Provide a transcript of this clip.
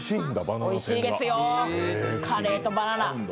おいしいですよカレーとバナナ。